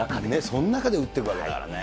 その中で打ってるわけだからね。